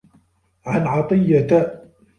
عَنْ عَطِيَّةَ